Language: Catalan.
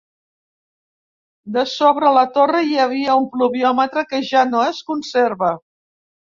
De sobre la torre hi havia un pluviòmetre que ja no es conserva.